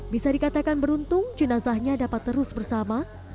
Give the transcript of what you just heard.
bisa dikatakan beruntung jenazahnya dapat terus bersama